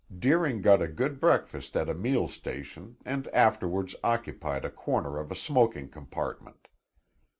Deering got a good breakfast at a meal station and afterwards occupied a corner of a smoking compartment.